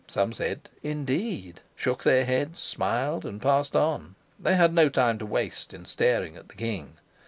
Some said, "Indeed?" shook their heads, smiled and passed on: they had no time to waste in staring at the king.